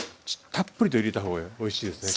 たっぷりと入れた方がおいしいですね。